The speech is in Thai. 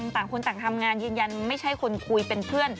ต่างคนต่างทำงานยืนยันไม่ใช่คนคุยเป็นเพื่อน